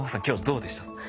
今日どうでした？